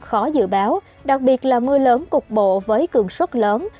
khó dự báo đặc biệt là mưa lớn cục bộ với cường suất lớn